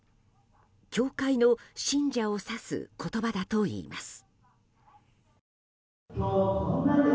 教会の信者を指す言葉だといいます。